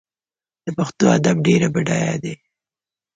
د پښتو ادب ډېر بډایه دی.